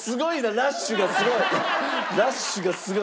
ラッシュがすごい。